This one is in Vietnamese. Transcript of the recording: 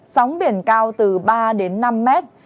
sóng biển cao từ ba đến năm mét